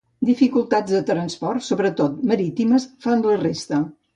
Dificultats de transport, sobretot marítimes, fan la resta.